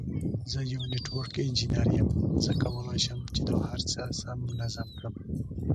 زه یو نټورک انجینیر یم، زه کولای شم چې دا هر څه سم منظم کړم.